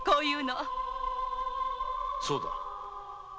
そうだ。